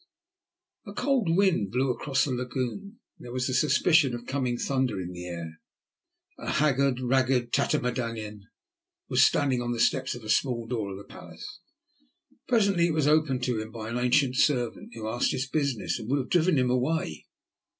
A cold wind blew across the lagoon, and there was a suspicion of coming thunder in the air. A haggard, ragged tatterdemalion was standing on the steps of a small door of the palace. Presently it was opened to him by an ancient servant, who asked his business, and would have driven him away.